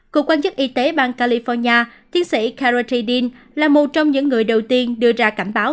cục quan chức y tế bang california tiến sĩ cara tidin là một trong những người đầu tiên đưa ra cảm báo